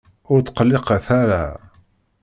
Ur tqelliqet ara!